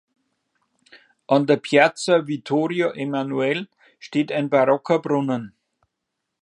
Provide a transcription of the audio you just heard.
An der Piazza Vittorio Emanuele steht ein barocker Brunnen.